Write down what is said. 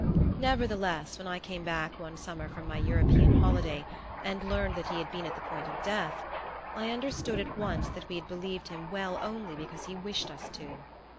Nevertheless, when I came back one summer from my European holiday and heard that he had been at the point of death, I understood at once that we had believed him well only because he wished us to.